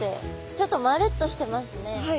ちょっとまるっとしてますね。